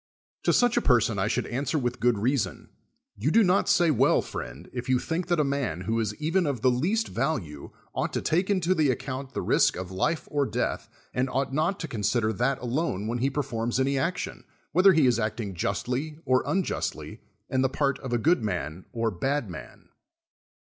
To such a person I should answer with good reason : You do not say well, friend, if you think that a man, who is even of the least value, ought to take into the account the risk of life or death, and ought not to consider that alone Avhen he performs any action, whether he is acting justly or unjustly and the part of a good man or bad man.